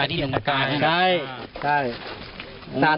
ทุโรทุนลายแน่กลางกลาง